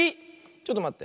ちょっとまって。